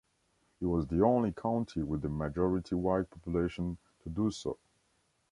It was the only county with a majority white population to do so.